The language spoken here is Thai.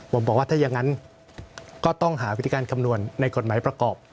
ผมบอกว่าถ้าอย่างนั้นก็ต้องหาวิธีการคำนวณในกฎหมายประกอบ